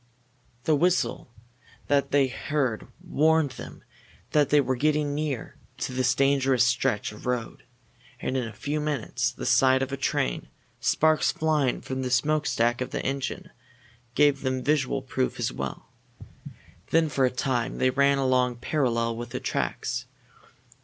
The whistle that they heard warned them that they were getting near to this dangerous stretch of road, and in a few moments the sight of a train, sparks flying from the smokestack of the engine, gave them visual proof as well. Then for a time they ran along parallel with the tracks.